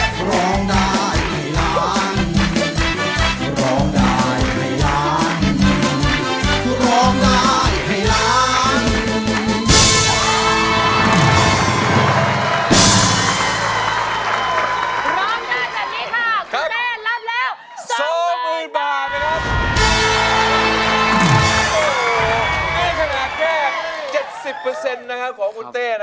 คุณเต้ร้องได้กัน